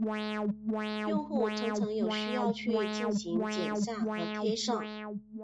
用户常常有需要去进行剪下和贴上。